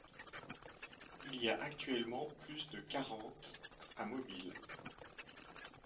Il y a actuellement plus de quarante à Mobile.